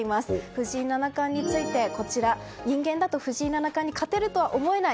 藤井七冠について人間だと藤井七冠に勝てるとは思えない。